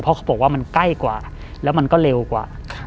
เพราะเขาบอกว่ามันใกล้กว่าแล้วมันก็เร็วกว่า